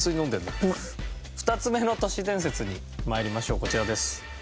２つ目の都市伝説に参りましょうこちらです。